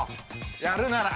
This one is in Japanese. やるなら。